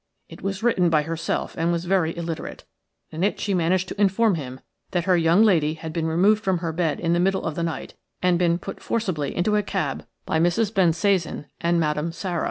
It was written by herself and was very illiterate. In this she managed to inform him that her young lady had been removed from her bed in the middle of the night and been put forcibly into a cab by Mrs. Bensasan and Madame Sara.